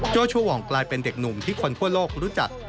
ชัวองกลายเป็นเด็กหนุ่มที่คนทั่วโลกรู้จัก